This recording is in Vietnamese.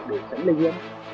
để tránh lây nhiễm